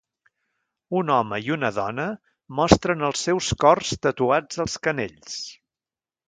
Un home i una dona mostren els seus cors tatuats als canells